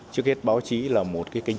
trước hết báo chí là một kênh thông tin